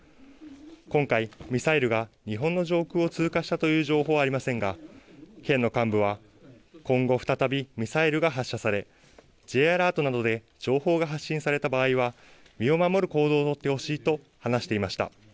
今回、ミサイルが日本の上空を通過したという情報はありませんが県の幹部は今後、再びミサイルが発射されＪアラートなどで情報が発信された場合は身を守る行動を取ってほしいと話していました。